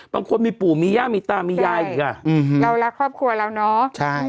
บางคนมีปู่มีย่ามีตามียายอีกอ่ะอืมเรารักครอบครัวเราเนอะใช่